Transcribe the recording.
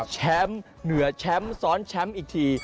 แชมป์เหนือแชมป์ซ้อนแชมป์อีกที